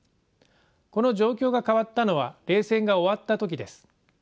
この状況が変わったのは冷戦が終わった時です。